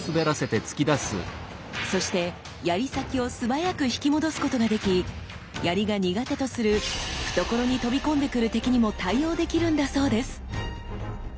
そして槍先を素早く引き戻すことができ槍が苦手とする懐に飛び込んでくる敵にも対応できるんだそうです。